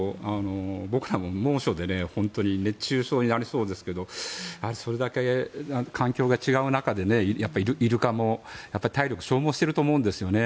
僕らも猛暑で熱中症になりそうですけどそれだけ環境が違う中でやっぱりイルカも体力を消耗していると思うんですよね。